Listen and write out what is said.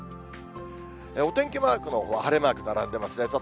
お天気マークのほう、晴れマーク並んでますね。